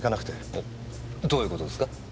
えどういう事ですか？